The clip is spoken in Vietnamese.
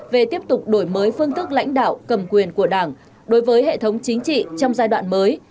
về tiếp tục đổi mới phương thức lãnh đạo cầm quyền của đảng đối với hệ thống chính trị trong giai đoạn mới